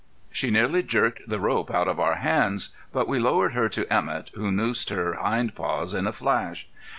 She nearly jerked the rope out of our hands, but we lowered her to Emett, who noosed her hind paws in a flash.